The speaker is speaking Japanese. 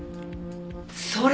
それ！